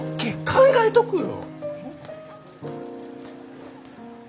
考えとくよ。